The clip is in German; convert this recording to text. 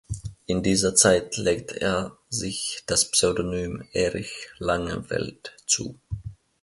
In dieser Zeit legte er sich das Pseudonym Erich Langenfeld zu.